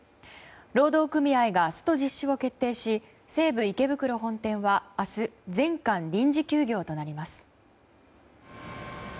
労働組合がスト実施を決定し西武池袋本店は明日、全館臨時休業となります。